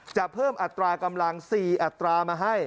จะเพิ่มอัตรากำลัง๔อัตรามาให้